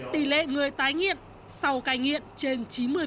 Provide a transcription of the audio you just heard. tỷ lệ người tái nghiện sau cai nghiện trên chín mươi